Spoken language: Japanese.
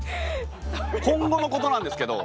今後のことなんですけど。